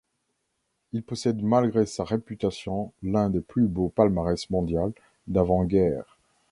Il possède malgré sa réputation l'un des plus beaux palmarès mondial d'avant-guerre.